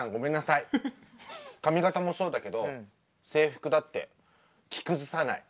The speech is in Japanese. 髪型もそうだけど制服だって着崩さない。